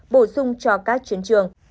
bổ sung cho các chiến trường